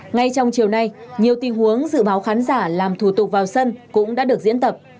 ngay trong chiều nay nhiều tình huống dự báo khán giả làm thủ tục vào sân cũng đã được diễn tập